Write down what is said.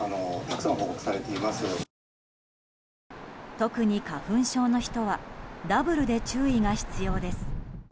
特に花粉症の人はダブルで注意が必要です。